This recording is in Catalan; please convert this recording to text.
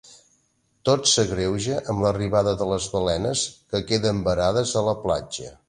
Tot s’agreuja, amb l'arribada de les balenes, que queden varades a la platja.